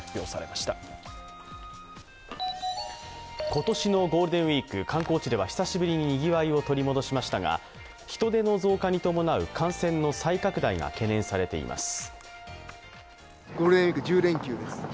今年のゴールデンウイーク観光地では久しぶりににぎわいを取り戻しましたが人出の増加に伴う感染の再拡大が懸念されています。